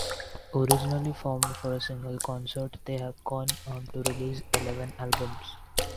Originally formed for a single concert, they have gone on to release eleven albums.